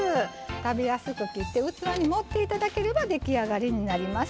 食べやすく切って器に盛っていただければ出来上がりになります。